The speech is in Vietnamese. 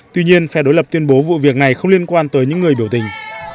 tuy nhiên phe đối lập tuyên bố vụ việc này không liên quan tới những người biểu tình